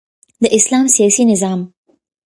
د اسلام سیاسی نظام